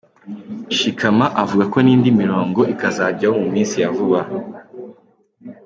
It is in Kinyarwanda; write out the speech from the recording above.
Shikama avuga ko n’indi mirongo ikazajyaho mu minsi ya vuba.